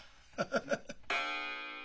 ハハハ。